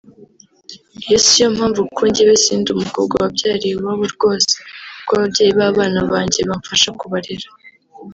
Iyo siyo mpamvu kuko njye sindi umukobwa wabyariye iwabo rwose kuko ababyeyi b’abana banjye bamfasha kubarera